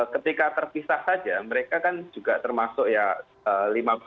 ketika terpisah saja mereka kan juga termasuk ya